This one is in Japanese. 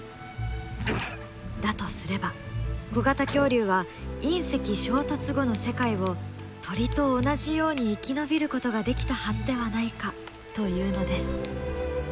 だとすれば小型恐竜は隕石衝突後の世界を鳥と同じように生き延びることができたはずではないかというのです。